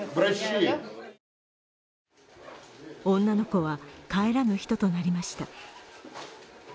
女の子は帰らぬ人となりました。